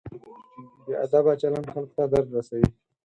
بې ادبه چلند خلکو ته درد رسوي.